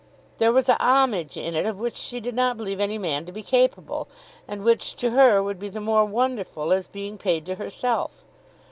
There was a homage in it, of which she did not believe any man to be capable, and which to her would be the more wonderful as being paid to herself.